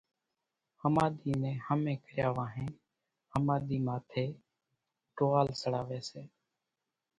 ۿماۮِي نين ۿمي ڪريا وانھين ۿماۮي ماٿي ٽوئان سڙاوي سي